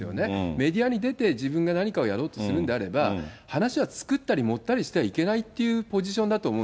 メディアに出て、自分が何かをやろうとするんであれば、話は作ったり盛ったりしてはいけないっていうポジションだと思う